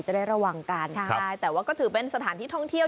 ได้ระวังกันใช่แต่ว่าก็ถือเป็นสถานที่ท่องเที่ยว